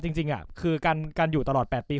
จริงคือการอยู่ตลอด๘ปี